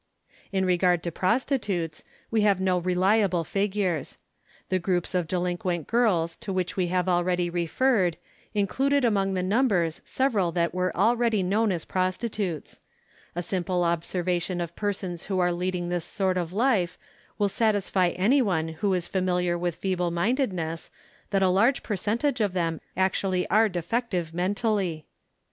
In regard to prostitutes, we have no reliable figures. The groups of delinquent girls to which we have al ready referred included among the numbers several that were already known as prostitutes. A simple observation of persons who are leading this sort of life will satisfy any one who is familiar with feeble minded ness that a large percentage of them actually are de fective mentally.